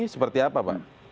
seperti apa pak